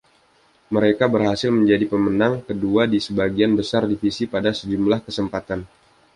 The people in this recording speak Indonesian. Mereka berhasil menjadi pemenang kedua di sebagian besar divisi pada sejumlah kesempatan.